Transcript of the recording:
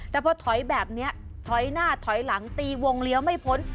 แต่พอถอยแบบนี้ถอยหน้าถอยหลังตีวงเลี้ยวไม่พ้น